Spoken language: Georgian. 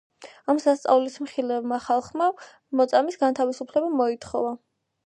ამ სასწაულის მხილველმა ხალხმა მოწამის განთავისუფლება მოითხოვა.